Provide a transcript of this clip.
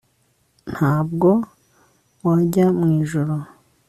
Ntabwo wajya mu Ijuru